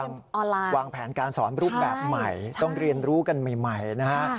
ออนไลน์วางแผนการสอนรูปแบบใหม่ต้องเรียนรู้กันใหม่นะฮะ